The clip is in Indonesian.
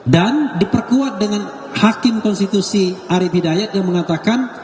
dan diperkuat dengan hakim konstitusi arief hidayat yang mengatakan